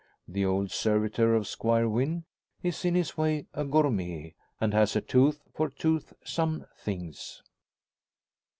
The old servitor of Squire Wynn is in his way a gourmet, and has a tooth for toothsome things.